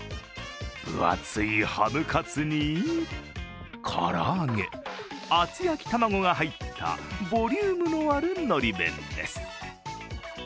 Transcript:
分厚いハムカツに唐揚げ、厚焼き玉子が入ったボリュームのあるのり弁です。